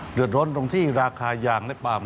เดือดร้อนตรงที่ราคายางและปาล์ม